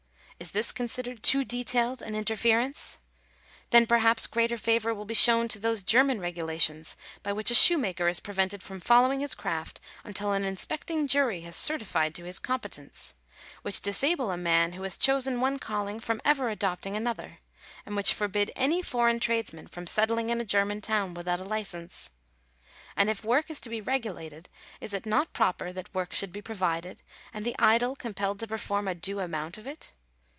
Is this considered too detailed an in terference ? Then, perhaps, greater favour will be shown to those German regulations by which a shoemaker is pre vented from following his craft until an inspecting jury has certified to his competence; which disable a man who has chosen one calling from ever adopting another; and which forbid any foreign tradesman from settling in a German town without a licence. And if work is to be regulated, is it not proper that work should be provided, and the idle compelled to perform a due amount of it